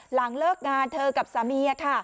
หลังเลิกงานเธอกับสามีค่ะ